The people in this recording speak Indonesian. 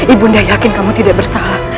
ibu nda yakin kamu tidak bersalah